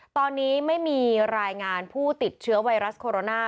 ตอนนี้ไม่มีรายงานผู้ติดเชื้อไวรัสโคโรนา